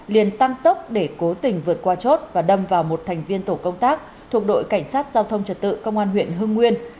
liền tăng tốc để cố tình vượt qua chốt và đâm vào một thành viên tổ công tác thuộc đội cảnh sát giao thông trật tự công an huyện hưng nguyên